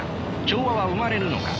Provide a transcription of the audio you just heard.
調和は生まれるのか。